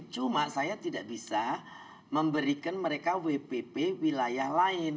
cuma saya tidak bisa memberikan mereka wpp wilayah lain